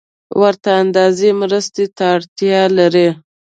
ورته اندازې مرستې ته اړتیا لري